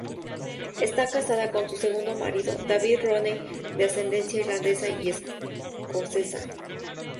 Está casada con su segundo marido David Rooney de ascendencia irlandesa y escocesa.